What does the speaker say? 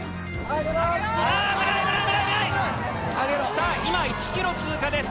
さあ今１ｋｍ通過です。